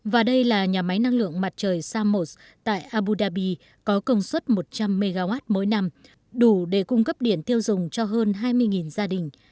và đây là nhà máy năng lượng mặt trời samos tại abu dhabi có công suất một trăm linh mw mỗi năm đủ để cung cấp điện tiêu dùng cho hơn hai mươi gia đình